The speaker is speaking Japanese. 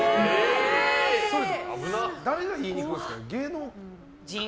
それ誰が言いに来るんですか？